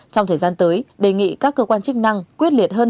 trong thời gian tới đề nghị các cơ quan chức năng quyết liệt hơn